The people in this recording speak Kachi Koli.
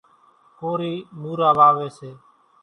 ڪورِي مورا واويَ سي۔